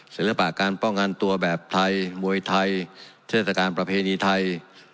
ศิลปะการป้องกันตัวแบบไทยมวยไทยเทศกาลประเพณีไทย